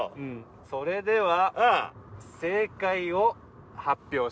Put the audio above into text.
それでは正解を発表します。